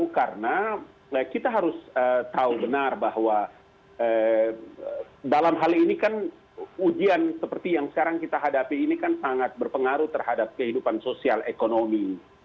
karena kita harus tahu benar bahwa dalam hal ini kan ujian seperti yang sekarang kita hadapi ini kan sangat berpengaruh terhadap kehidupan sosial ekonomi